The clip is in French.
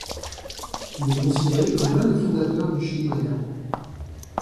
Il est considéré comme l'un des fondateurs du Chili moderne.